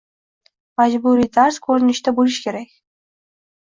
Majburiy dars koʻrinishida boʻlishi kerak.